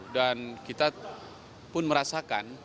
dan kita pun merasakan